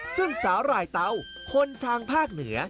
ซึ่งสาหร่ายเตาคนทางภาคเหนือ